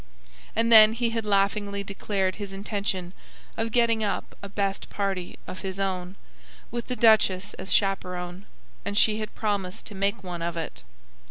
And then he had laughingly declared his intention of getting up a "best party" of his own, with the duchess as chaperon; and she had promised to make one of it.